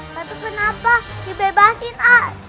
tapi kenapa dibebaskan ah